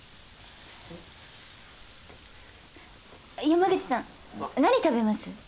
山口さん何食べます？